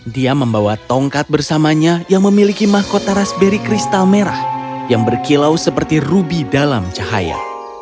dia membawa tongkat bersamanya yang memiliki mahkota raspberry kristal merah yang berkilau seperti rubi dalam cahaya